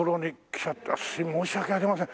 申し訳ありません。